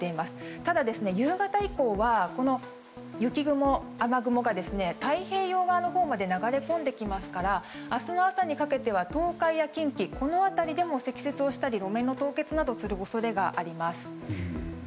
ただ、夕方以降は雨雲、雪雲が太平洋側のほうに流れ込んできますから明日の朝にかけては東海や近畿この辺りでも積雪したり路面の凍結などする恐れがあります。